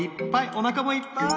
おなかもいっぱい！